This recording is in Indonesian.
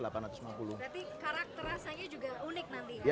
berarti karakter rasanya juga unik nanti ya